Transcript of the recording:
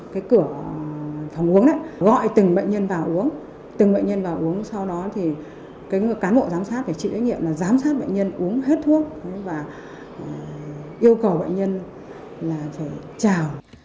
cái cửa thòng uống đấy gọi từng bệnh nhân vào uống từng bệnh nhân vào uống sau đó thì cán bộ giám sát phải trị lý nghiệm là giám sát bệnh nhân uống hết thuốc và yêu cầu bệnh nhân là phải chào